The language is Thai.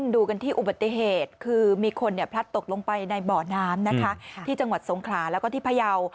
ดูกันที่อุบัติเหตุคือมีคนพลัดตกลงไปในบ่อน้ำนะคะที่จังหวัดสงขลาแล้วก็ที่พยาว